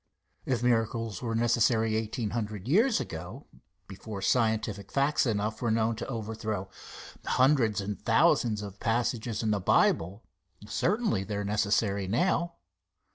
If miracles were necessary eighteen hundred years ago, before scientific facts enough were known to overthrow hundreds and thousands of passages in the Bible, certainly they are necessary now.